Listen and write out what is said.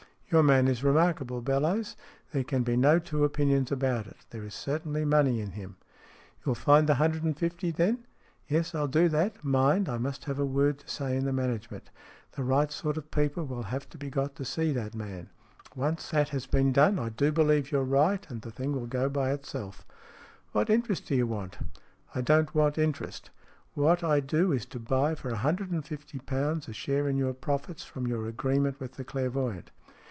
Your man is remarkable, Bellowes. There can be no two opinions about it. There is certainly money in him." " You will find the hundred and fifty, then ?" "Yes, I'll do that. Mind, I must have a word to say in the management. The right sort of people will have to be got to see that man. Once 18 STORIES IN GREY that has been done, I do believe you're right, and the thing will go by itself." " What interest do you want ?"" I don't want interest. What I do is to buy for a hundred and fifty pounds a share in your profits from your agreement with the clairvoyant."